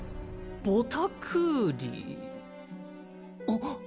ボタクーリあっ！